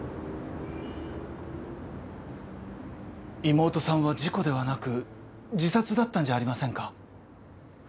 妹さんは事故ではなく自殺だったんじゃありませんか？